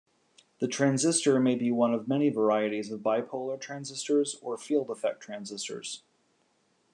The transistor may be one of many varieties of bipolar transistors or field-effect transistors.